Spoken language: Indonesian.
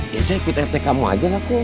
ya saya ikut rt kamu aja lah akum